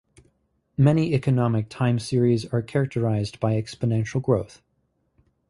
Many economic time series are characterized by exponential growth.